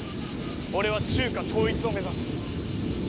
俺は中華統一を目指す。